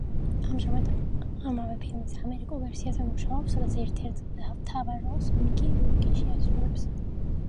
ამჟამად ამავე ფილმის ამერიკულ ვერსიაზე მუშაობს, სადაც ერთ-ერთ მთავარ როლს მიკი რურკი შეასრულებს.